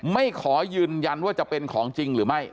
ไม่ขอยืนยันว่าจะเป็นของจริงหรือไม่